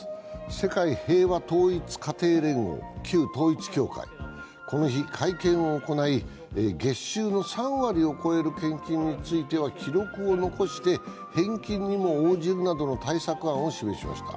世界平和統一家庭連合＝旧統一教会この日、会見を行い月収の３割を超える献金については記録を残して返金にも応じるなどの対策案を示しました。